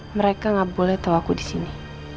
mereka gak boleh tahu aku disini